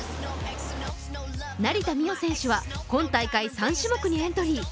成田実生選手は今大会、３種目にエントリー。